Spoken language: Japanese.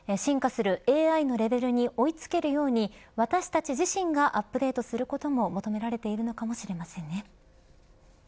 進化するＡＩのレベルに追い付けるように私たち自身がアップデートすることも求められているのかもしれませんね。